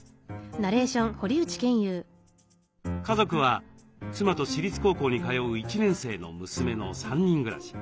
家族は妻と私立高校に通う１年生の娘の３人暮らし。